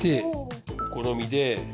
お好みで。